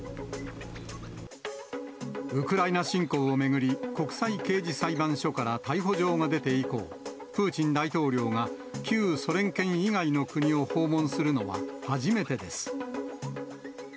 ウクライナ侵攻を巡り、国際刑事裁判所から逮捕状が出て以降、プーチン大統領が旧ソ連圏以外の国を訪問するのは初めてです。